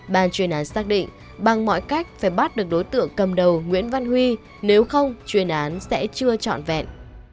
ban chuyên án xác định bằng mọi cách phải bắt được đối tượng cầm đầu nguyễn văn huy nếu không chuyên án sẽ chưa trọn vẹn